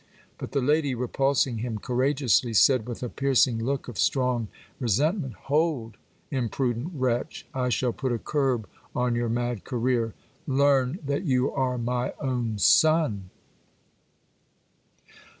But the lady, repulsing him courageously, said with a piercing look of strong re sentment, Hold, imprudent wretch ! I shall put a curb on your mad career. Learn that you are my own son.